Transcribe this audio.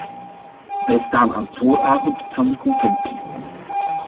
Wij staan aan de vooravond van de conventie.